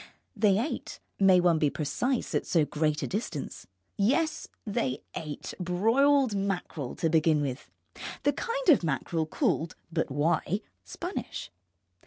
They ate (may one be precise at so great a distance?) yes, they ate broiled mackerel to begin with; the kind of mackerel called (but why?) Spanish.